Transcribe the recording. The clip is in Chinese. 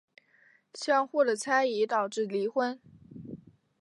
相互的猜疑导致离婚。